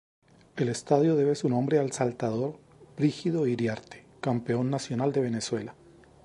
El estadio debe su nombre al saltador Brígido Iriarte, campeón nacional de Venezuela.